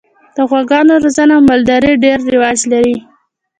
د غواګانو روزنه او مالداري ډېر رواج لري.